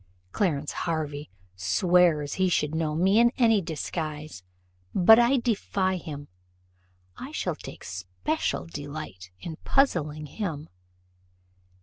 Clarence Hervey swears he should know me in any disguise but I defy him I shall take special delight in puzzling him.